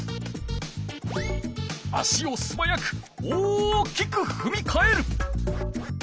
足をすばやく大きくふみかえる。